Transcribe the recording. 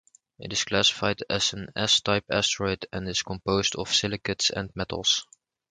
It is classified as an S-type asteroid and is composed of silicates and metals.